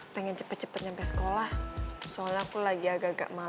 pengen cepet cepet nyampe sekolah soalnya aku lagi agak agak maling